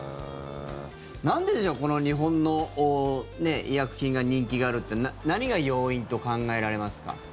なんででしょう日本の医薬品が人気があるって何が要因と考えられますか？